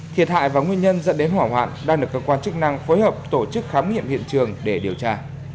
thiệt hại và nguyên nhân dẫn đến hỏa hoạn đang được cơ quan chức năng phối hợp tổ chức khám nghiệm hiện trường để điều tra